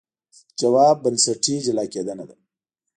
ځواب یې بنسټي جلا کېدنه ده.